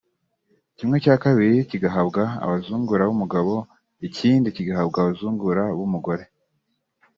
kimwe cya kabiri kigahabwa abazungura b’umugabo ikindi kigahabwa abazungura b’umugore